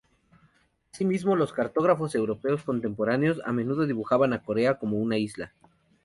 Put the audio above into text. Asimismo, los cartógrafos europeos contemporáneos a menudo dibujaban a Corea como un isla.